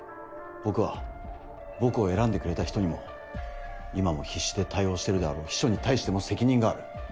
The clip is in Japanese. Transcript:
僕は僕を選んでくれた人にも今も必死で対応してるであろう秘書に対しても責任がある。